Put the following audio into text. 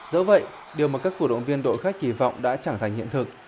dẫu vậy điều mà các cổ động viên đội khách kỳ vọng đã trở thành hiện thực